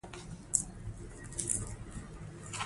سپین ږیري زموږ د ټولنې برکت دی.